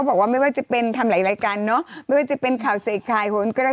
บอกว่าไม่ว่าจะเป็นทำหลายการเนอะไม่ว่าจะเป็นเขาเสียข่าย